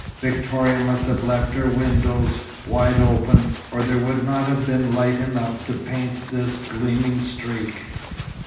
Victoria must have left her windows wide open, or there would not have been light enough to paint this gleaming streak.